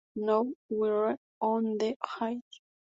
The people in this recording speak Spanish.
Now, we're on the air.